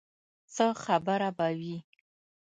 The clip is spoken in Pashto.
څه خبره به وي.